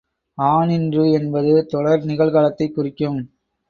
ஆநின்று என்பது தொடர் நிகழ்காலத்தைக் குறிக்கும்.